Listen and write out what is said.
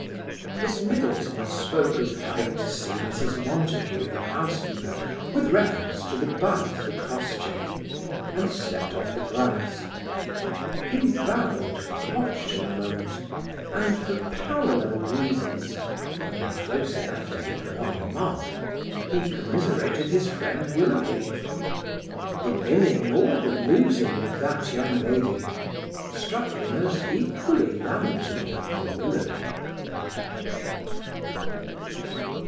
Miss Middleton spoke of having to see Mrs. Montague, the housekeeper, with reference to the bath for Crossjay, and stepped off the grass. He bowed, watched her a moment, and for parallel reasons, running close enough to hit one mark, he commiserated his friend Willoughby. The winning or the losing of that young lady struck him as equally lamentable for Willoughby.